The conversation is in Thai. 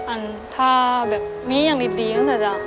อ่านถ้าแบบมีอย่างนิตย์ค่ะจ๊ะ